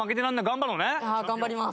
頑張ります。